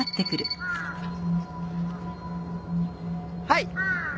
はい。